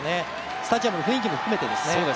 スタジアムの雰囲気も含めてですね。